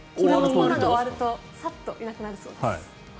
コーナーが終わるとさっといなくなるそうです。